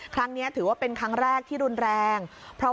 ครั้งนี้ถือว่าเป็นครั้งแรกที่รุนแรง